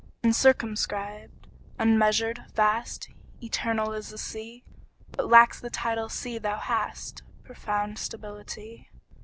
UNCIRCUMSCRIBED, unmeasured, vast, Eternal as the Sea; What lacks the tidal sea thou hast Profound stability.